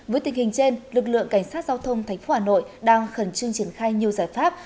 với tình hình trên lực lượng cảnh sát giao thông tp hà nội đang khẩn trương triển khai nhiều giải pháp